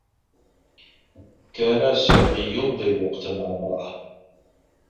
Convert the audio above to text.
كان سامي يمضي الوقت مع امرأة.